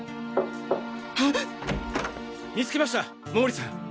見つけました毛利さん。